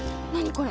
これ。